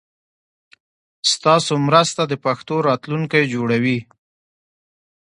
ستاسو مرسته د پښتو راتلونکی جوړوي.